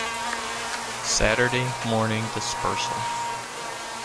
Saturday - Morning dispersal.